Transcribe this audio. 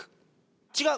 違う。